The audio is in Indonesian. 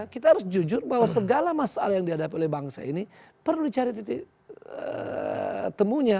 kita harus jujur bahwa segala masalah yang dihadapi oleh bangsa ini perlu dicari titik temunya